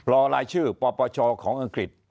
รอรายชื่อปปชของอังกฤษ